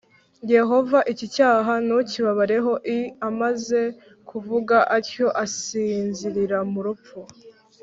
Yehova iki cyaha ntukibabareho i Amaze kuvuga atyo asinzirira mu rupfu